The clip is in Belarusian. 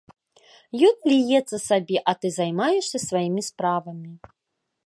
Ён ліецца сабе, а ты займаешся сваімі справамі.